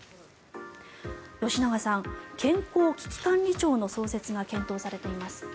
吉永さん、健康危機管理庁の創設が検討されています。